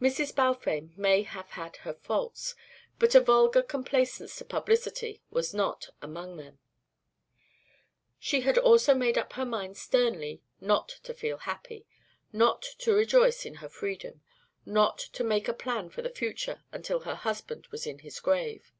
Mrs. Balfame may have had her faults, but a vulgar complaisance to publicity was not among them. She had also made up her mind sternly not to feel happy, not to rejoice in her freedom, not to make a plan for the future until her husband was in his grave.